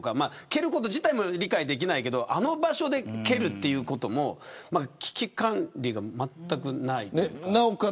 蹴ること自体も理解できないけれどあの場所で蹴るということも危機管理がまったくないというか。